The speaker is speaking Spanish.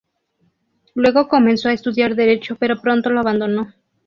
Luego comenzó a estudiar derecho pero pronto lo abandonó.